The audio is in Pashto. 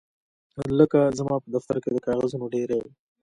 لکه زما په دفتر کې د کاغذونو ډیرۍ